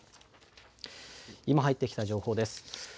今入ってきた情報です。